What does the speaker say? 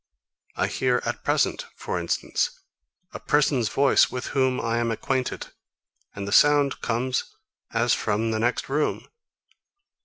I hear at present, for instance, a person's voice, with whom I am acquainted; and the sound comes as from the next room.